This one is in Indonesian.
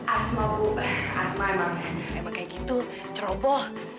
asma bu asma emang emang kayak gitu ceroboh